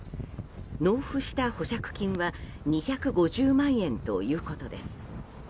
納付した保釈金は２５０万円ということです。